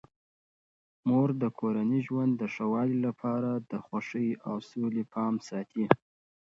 مور د کورني ژوند د ښه والي لپاره د خوښۍ او سولې پام ساتي.